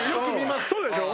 そうでしょ？